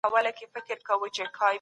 دا موجودات د طبیعت غوندې د لیدو وړ دي.